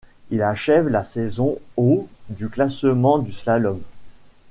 Il achève la saison au du classement du slalom.